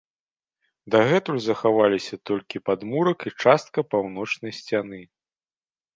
Дагэтуль захаваліся толькі падмурак і частка паўночнай сцяны.